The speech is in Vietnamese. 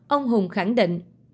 ông hùng khẳng định